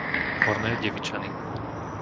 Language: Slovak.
Horné Devičany